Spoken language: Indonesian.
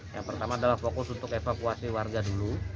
yang pertama adalah fokus untuk evakuasi warga dulu